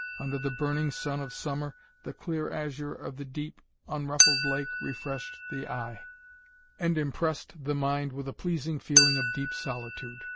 Under the burning sun of summer, the clear azure of the deep unruffled lake refreshed the eye, and impressed the mind with a pleasing feeling of deep solitude.